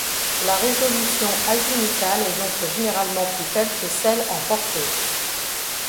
La résolution azimutale est donc généralement plus faible que celle en portée.